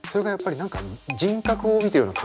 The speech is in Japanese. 何か。